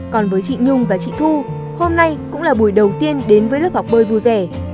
còn với chị nhung và chị thu hôm nay cũng là buổi đầu tiên đến với lớp học bơi vui vẻ